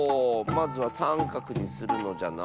まずはさんかくにするのじゃな。